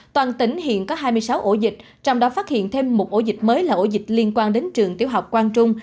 toàn tỉnh hiện có hai mươi sáu ổ dịch trong đó phát hiện thêm một ổ dịch mới là ổ dịch liên quan đến trường tiểu học quang trung